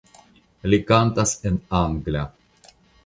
Li kantas en angla.